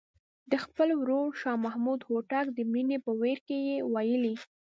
د خپل ورور شاه محمود هوتک د مړینې په ویر کې یې ویلي.